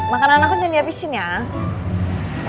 makanan aku jangan dihabisin ya